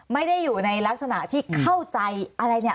ไม่ได้อยู่ในลักษณะที่เข้าใจอะไรเนี่ย